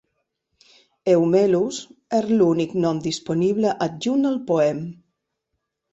Eumelos er l'únic nom disponible adjunt al poem.